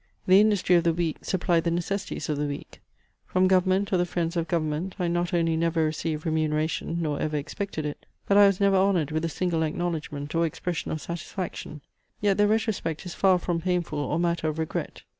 The industry of the week supplied the necessities of the week. From government or the friends of government I not only never received remuneration, nor ever expected it; but I was never honoured with a single acknowledgment, or expression of satisfaction. Yet the retrospect is far from painful or matter of regret.